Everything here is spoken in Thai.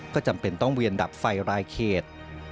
ก็จำเป็นต้องเวียนดับไฟรายเขต